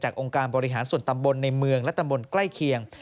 องค์การบริหารส่วนตำบลในเมืองและตำบลใกล้เคียง